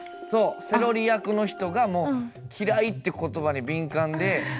そうセロリ役の人がもう嫌いって言葉に敏感で。